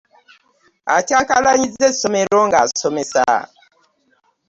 Akyankalanyizza essomero nga asomesa.